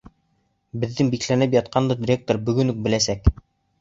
Беҙҙең бикләнеп ятҡанды ректор бөгөн үк беләсәк!